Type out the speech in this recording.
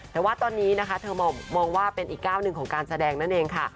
แต่ว่าตอนนี้นะคะเธอมองว่าเป็นอีกก้าวหนึ่งของการแสดงนั่นเองค่ะ